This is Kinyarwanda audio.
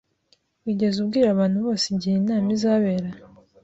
Wigeze ubwira abantu bose igihe inama izabera?